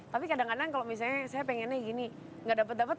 tapi kadang kadang kalau misalnya saya pengennya gini nggak dapat dapat